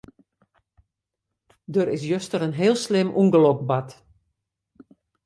Der is juster in heel slim ûngelok bard.